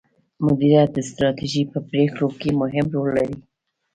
مديريت د ستراتیژۍ په پریکړو کې مهم رول لري.